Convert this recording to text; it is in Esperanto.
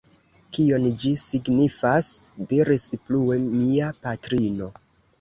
Kion ĝi signifas? diris plue mia patrino.